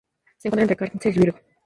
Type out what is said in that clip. Se encuentra entre Cáncer y Virgo.